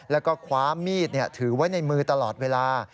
แล้วก็คว้ามีดถือไว้ในมือตลอดเวลา